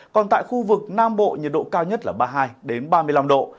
còn tại khu vực nam bộ nhiệt độ cao nhất là ba mươi hai ba mươi năm độ